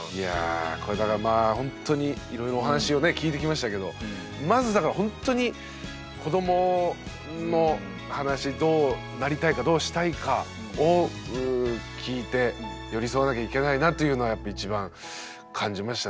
これだからまあほんとにいろいろお話をね聞いてきましたけどまずだからほんとに子どもの話どうなりたいかどうしたいかを聞いて寄り添わなきゃいけないなというのはやっぱ一番感じましたね。